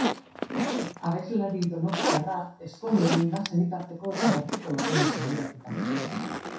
Abeslari donostiarra ezkondu egin da senitarteko eta gertuko lagunez inguratuta.